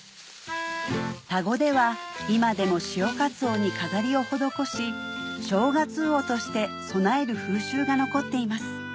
田子では今でも潮かつおに飾りを施しとして供える風習が残っています